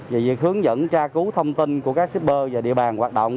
về việc hướng dẫn tra cứu thông tin của các shipper và địa bàn hoạt động